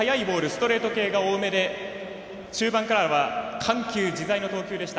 ストレート系が多めで中盤からは緩急自在の投球でした。